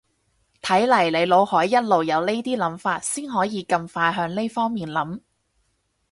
睇嚟你腦海一路有呢啲諗法先可以咁快向呢方面諗